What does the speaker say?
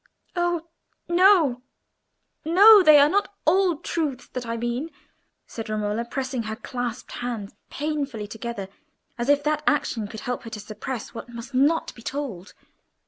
"Oh no, no! they are not old truths that I mean," said Romola, pressing her clasped hands painfully together, as if that action would help her to suppress what must not be told.